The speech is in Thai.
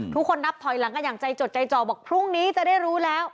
ทุกคนนับถอยหลังกันอย่างใจจดใจจ่อบอกพรุ่งนี้จะได้รู้แล้ว